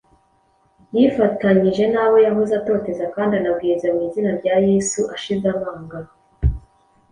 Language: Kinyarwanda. yifatanyije n’abo yahoze atoteza, kandi anabwiriza mu izina rya Yesu ashize amanga.